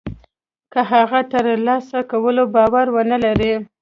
که هغه د تر لاسه کولو باور و نه لري.